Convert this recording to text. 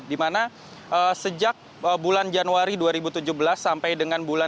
dimana sejak bulan januari dua ribu tujuh belas sampai dengan bulan